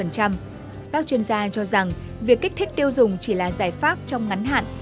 các chuyên gia cho rằng việc kích thích tiêu dùng chỉ là giải pháp trong ngắn hạn